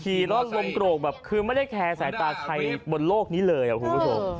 รอดลมโกรกแบบคือไม่ได้แคร์สายตาใครบนโลกนี้เลยคุณผู้ชม